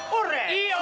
いいよ！